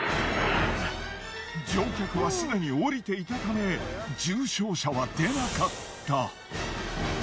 乗客はすでに降りていたため重傷者は出なかった。